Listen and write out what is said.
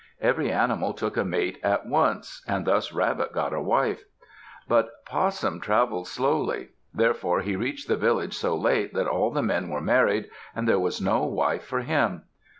Every animal took a mate at once, and thus Rabbit got a wife. But Possum traveled slowly. Therefore he reached the village so late that all the men were married and there was no wife for him.